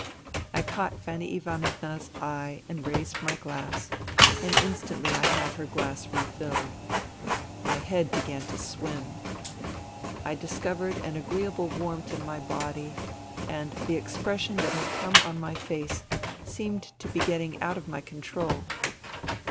I caught Fanny Ivanovna's eye and raised my glass ; and instantly I had her glass refilled. My head began to swim. I discovered an agreeable warmth INTERVENING IN SIBERIA 187 in my body, and the expression that had come on my face seemed to be getting out of my control.